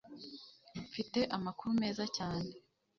mfite amakuru meza cyane